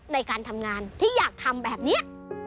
ในการทำงานที่อยากทำแบบนี้